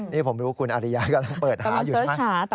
นี่ผมรู้คุณอริยากำลังเปิดหาอยู่ใช่ไหม